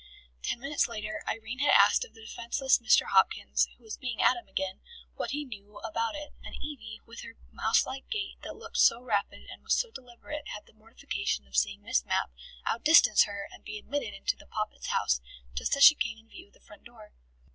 Ten minutes later Irene had asked the defenceless Mr. Hopkins, who was being Adam again, what he knew about it, and Evie, with her mouse like gait that looked so rapid and was so deliberate had the mortification of seeing Miss Mapp outdistance her and be admitted into the Poppit's house, just as she came in view of the front door.